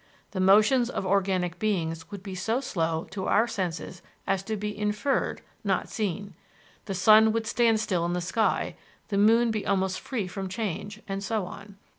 The motions of organic beings would be so slow to our senses as to be inferred, not seen. The sun would stand still in the sky, the moon be almost free from change, and so on.